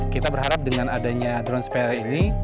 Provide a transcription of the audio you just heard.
kita berharap dengan adanya drone spare ini